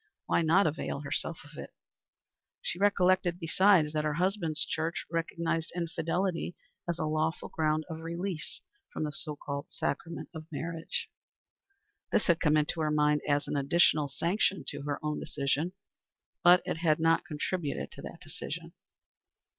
Why not avail herself of it? She recollected, besides, that her husband's church recognized infidelity as a lawful ground of release from the so called sacrament of marriage. This had come into her mind as an additional sanction to her own decision. But it had not contributed to that decision.